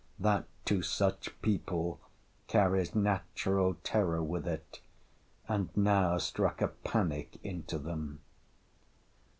that to such people carries natural terror with it, and now struck a panic into them.